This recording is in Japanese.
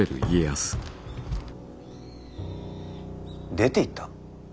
出ていった？